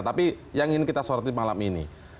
tapi yang ingin kita soroti malam ini